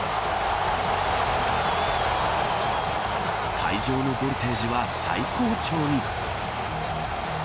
会場のボルテージは最高潮に。